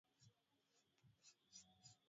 zilifanya hujuma kuchoma moto eneo la hifadhi